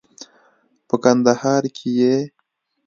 په کندهار کې یې